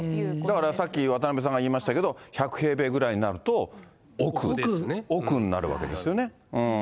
だからさっき渡辺さんが言いましたけど、１００平米ぐらいになると、億になるわけですよね。